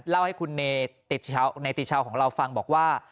เล่าให้คุณเนติชาวของเราฟังบอกว่า